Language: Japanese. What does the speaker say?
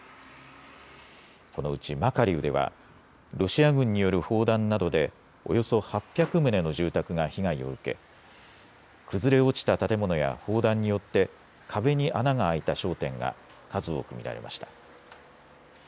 このうちマカリウではロシア軍による砲弾などでおよそ８００棟の住宅が被害を受け崩れ落ちた建物や砲弾によって壁に穴が開いた商店が数多く見られました。